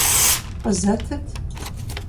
Къызэтыт!